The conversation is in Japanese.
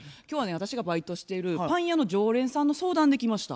私がバイトしてるパン屋の常連さんの相談で来ました。